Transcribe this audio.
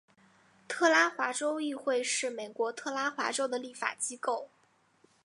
特拉华州议会是美国特拉华州的立法机构。